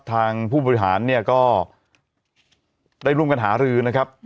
ทางผู้บริหารเนี่ยก็ได้ร่วมกันหารือนะครับ